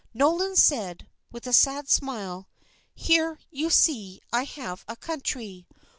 Nolan said, with a sad smile, "Here, you see, I have a country!"